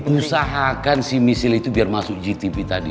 usahakan si michelle itu biar masuk gtv tadi